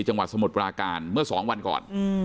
จังหวัดสมุทรปราการเมื่อ๒วันก่อน